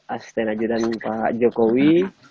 asisten ajaran pak jokowi